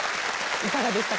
いかがでしたか？